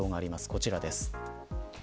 こちらです。